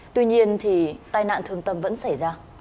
tuy nhiên thì tai nạn thương tâm vẫn xảy ra